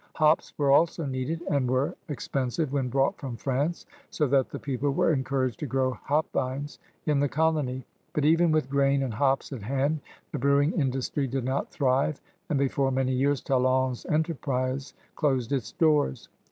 Hops were also needed and were expen sive when brought from France, so that the peo ple were encouraged to grow hop vines in the colony. But even with grain and hops at hand, the brewing industry did not thrive, and before many years Talon's enterprise closed its doors.